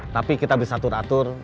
tapi kita templates